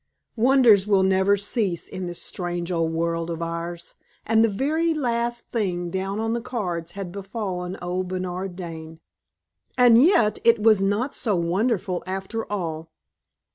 Wonders will never cease in this strange old world of ours, and the very last thing down on the cards had befallen old Bernard Dane. And yet it was not so wonderful, after all.